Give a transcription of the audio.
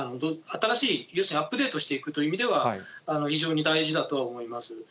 新しい、アップデートしていくという意味では非常に大事だと思います。